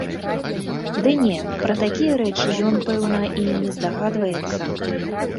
Ды не, пра такія рэчы ён, пэўна, і не здагадваецца.